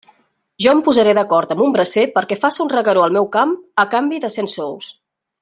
Jo em posaré d'acord amb un bracer perquè faça un regueró al meu camp a canvi de cent sous.